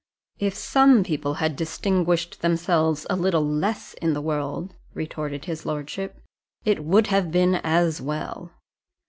"If some people had distinguished themselves a little less in the world," retorted his lordship, "it would have been as well!"